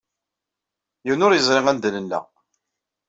Yiwen ur yeẓri anda nella.